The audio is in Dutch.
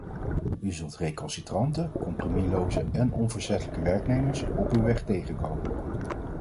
U zult recalcitrante, compromisloze en onverzettelijke werknemers op uw weg tegenkomen.